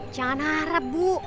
jangan harap bu